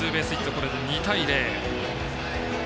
これで２対０。